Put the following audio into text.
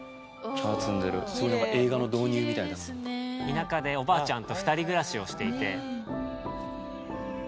田舎でおばあちゃんと２人暮らしをしていて。